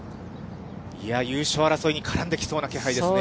いや、優勝争いに絡んできそうな気配ですね。